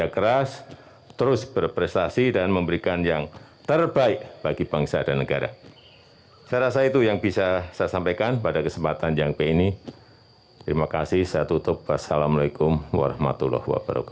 wassalamualaikum warahmatullahi wabarakatuh